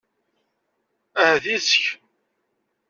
Ahat yes-k.